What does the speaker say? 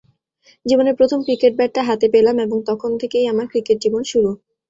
জীবনের প্রথম ক্রিকেট ব্যাটটা হাতে পেলাম এবং তখন থেকেই আমার ক্রিকেট-জীবন শুরু।